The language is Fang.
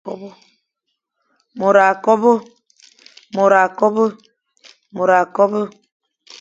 Môr a kobe.